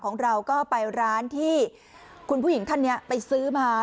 ของเราก็ไปร้านที่คุณผู้หญิงท่านนี้ไปซื้อมา